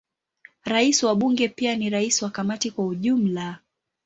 Rais wa Bunge pia ni rais wa Kamati kwa ujumla.